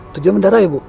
tujuan bandara ya bu